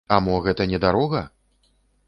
А мо гэта не дарога?